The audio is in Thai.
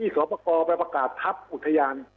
ที่สอปกรไปประกาศทัพอุทยาน